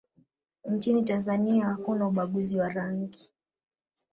nchini tanzania hakuna ubaguzi wa rangi